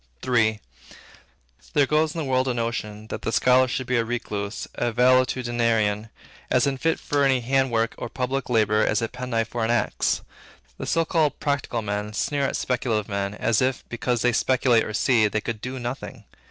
III. There goes in the world a notion, that the scholar should be a recluse, a valetudinarian, as unfit for any handiwork or public labor, as a penknife for an axe. The so called 'practical men' sneer at speculative men, as if, because they speculate or see, they could do nothing.